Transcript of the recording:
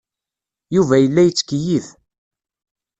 Yuba yella yettkeyyif.